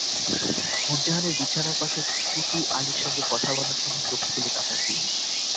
নূরজাহানের বিছানার পাশে চুটু আলীর সঙ্গে কথা বলার সময় চোখ খুলে তাকান তিনি।